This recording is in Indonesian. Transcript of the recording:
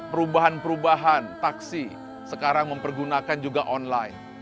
perubahan perubahan taksi sekarang mempergunakan juga online